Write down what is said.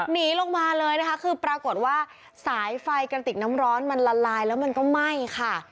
หนีลงมาเลยนะคะคือปรากฏว่าสายไฟกระติกน้ำร้อนมันละลายแล้วมันก็ไหม้ค่ะ